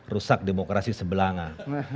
rusak demokrasi sebelangah